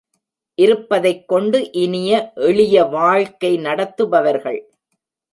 இருப்பதைக் கொண்டு இனிய, எளிய வாழ்க்கை நடத்துபவர்கள்.